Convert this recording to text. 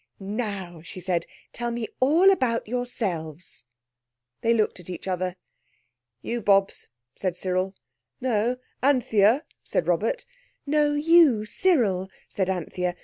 "Now," she said, "tell me all about yourselves." They looked at each other. "You, Bobs," said Cyril. "No—Anthea," said Robert. "No—you—Cyril," said Anthea.